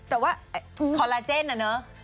แต่ว่าคอลลาเจนน่ะเนอะ